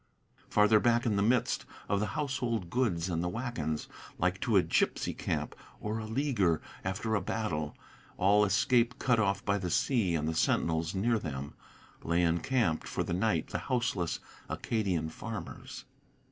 Farther back in the midst of the household goods and the wagons, Like to a gypsy camp, or a leaguer after a battle, All escape cut off by the sea, and the sentinels near them, Lay encamped for the night the houseless Acadian farmers.